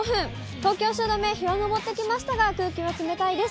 東京・汐留、日が昇ってきましたが、空気は冷たいです。